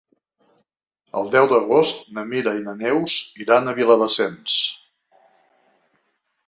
El deu d'agost na Mira i na Neus iran a Viladasens.